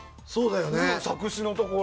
作詞のところ。